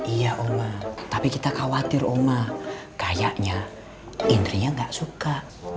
iya oma tapi kita khawatir oma kayaknya indrinya gak suka